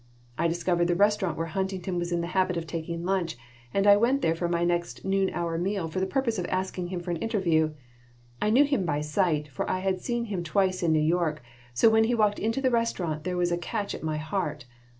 I discovered the restaurant where Huntington was in the habit of taking lunch and I went there for my next noon hour meal for the purpose of asking him for an interview. I knew him by sight, for I had seen him twice in New York, so when he walked into the restaurant there was a catch at my heart.